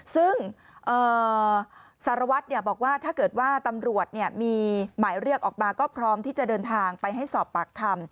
ซึ่งสารวัตรบอกว่าถ้าเกิดว่าตำรวจมีหมายเรียกออกมาก็พร้อมที่จะเดินทางไปให้สอบปากคำ